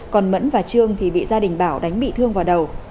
còn mẫn và trương thì bị gia đình bảo đánh bị thương vào đầu